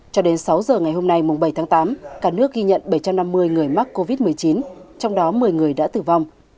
cho đến sáu giờ ngày hôm nay bảy tháng tám cả nước ghi nhận bảy trăm năm mươi người mắc covid một mươi chín trong đó một mươi người đã tử vong